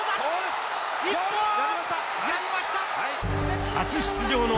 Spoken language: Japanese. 一本！やりました。